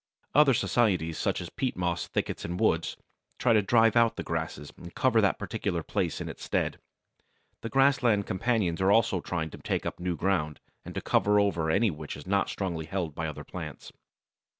Other societies, such as peat moss, thickets, and woods, try to drive out the grasses and cover that particular place in its stead. The Grassland companions are also always trying to take up new ground, and to cover over any which is not strongly held by other plants.